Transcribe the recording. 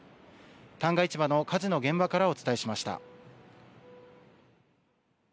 旦過市場の火事の現場からお伝えしました。